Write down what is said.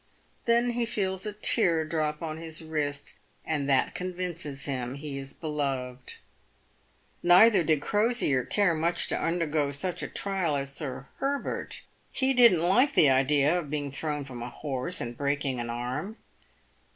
Then he feels a tear drop on his wrist, and that convinces him he is beloved. Neither did Crosier care much to undergo such a trial as Sir Her bert. He didn't like the idea of being thrown from a horse and breaking an arm.